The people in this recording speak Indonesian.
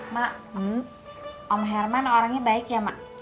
mak om herman orangnya baik ya mak